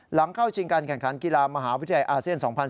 เข้าชิงการแข่งขันกีฬามหาวิทยาลัยอาเซียน๒๐๑๖